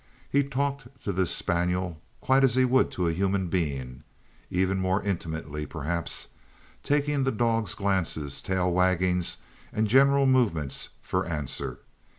He talked to this spaniel quite as he would to a human being (even more intimately, perhaps), taking the dog's glances, tail waggings, and general movements for answer.